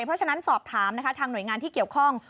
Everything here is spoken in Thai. เพราะฉะนั้นสอบถามนะคะทางหน่วยงานที่เกี่ยวข้อง